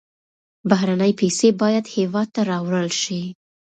بهرنۍ پیسې باید هېواد ته راوړل شي.